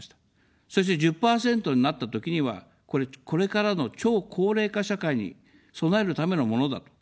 そして１０％になったときには、これ、これからの超高齢化社会に備えるためのものだと。